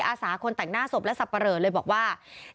อาสาคนแต่งหน้าศพและสับปะเหลอเลยบอกว่า